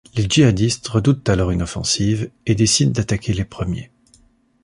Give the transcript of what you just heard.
Les djihadistes redoutent alors une offensive et décident d'attaquer les premiers.